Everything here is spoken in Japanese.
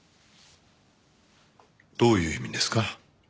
どういう意味ですか？